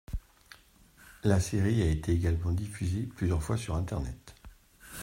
La série a été également diffusée plusieurs fois sur Internet.